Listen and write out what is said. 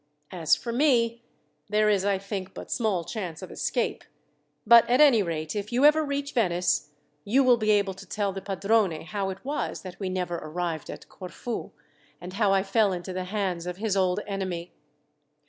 As for me, there is, I think, but small chance of escape; but at any rate, if you ever reach Venice, you will be able to tell the padrone how it was that we never arrived at Corfu, and how I fell into the hands of his old enemy.